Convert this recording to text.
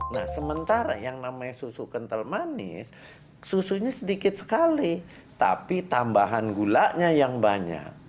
nah sementara yang namanya susu kental manis susunya sedikit sekali tapi tambahan gulanya yang banyak